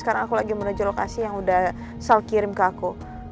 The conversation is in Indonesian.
karena aku lagi menuju lokasi yang udah self kirim ke aku